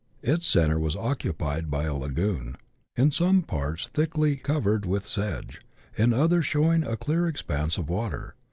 Its centre was occupied by a lagoon, in some parts thickly co vered with sedge, in others showing a clear expanse of water.